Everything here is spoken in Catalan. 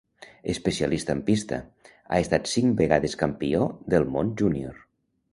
Especialista en pista, ha estat cinc vegades campió del món júnior.